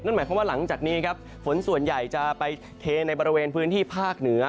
หมายความว่าหลังจากนี้ครับฝนส่วนใหญ่จะไปเทในบริเวณพื้นที่ภาคเหนือ